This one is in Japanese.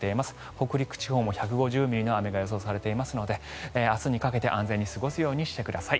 北陸地方も１５０ミリの雨が予想されていますので明日にかけて安全に過ごすようにしてください。